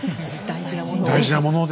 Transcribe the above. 大事なものを。